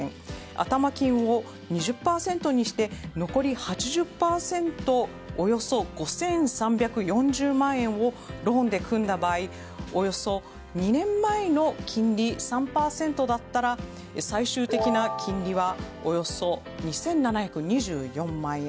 頭金を２０％にして残り８０％のおよそ５３４０万円をローンで組んだ場合およそ２年前の金利３％だったら最終的な金利はおよそ２７２４万円。